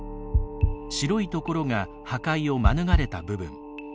白いところが破壊を免れた部分。